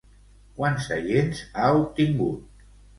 Quants seients ha obtingut?